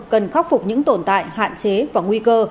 cần khắc phục những tồn tại hạn chế và nguy cơ